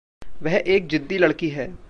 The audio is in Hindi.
वह एक ज़िद्दी लड़की है।